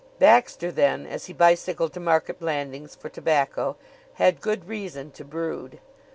Baxter, then, as he bicycled to Market Blandings for tobacco, had good reason to brood.